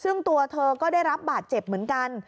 ซึ่งตัวเธอก็ได้รับบาดเจ็บเหมือนกัน